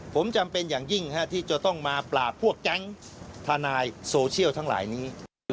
ผมจำเป็นอย่างยิ่งที่จะต้องมาปราบพวกแก๊งทนายโซเชียลทั้งหลายนี้